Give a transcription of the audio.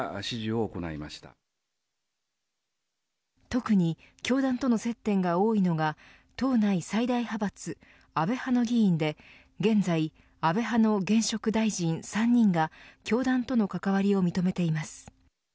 特に教団との接点が多いのが党内最大派閥、安倍派の議員で現在、安倍派の現職大臣３人が教団との関わりを認めています。